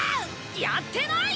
やってない！